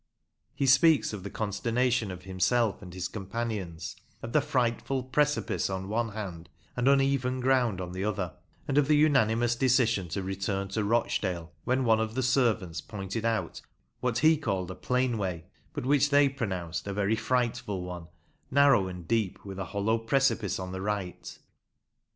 He speaks of the consternation of himself and his companions, of the frightful precipice on one 64 MEMORIALS OF OLD LANCASHIRE hand and uneven ground on the other, and of the unanimous decision to return to Rochdale, when one of the servants pointed out what he called a plain way, but which they pronounced a very frightful one, narrow and deep, with a hollow precipice on the right.